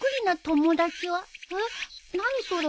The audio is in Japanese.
えっ何それ？